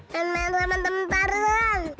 main main sama temen tarzan